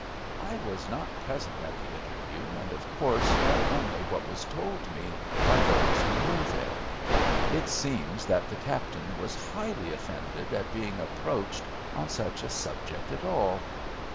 I was not present at the interview, and of course know only what was told me by those who were there. It seems that the captain was highly offended at being approached on such a subject at all.